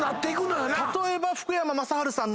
例えば福山雅治さん。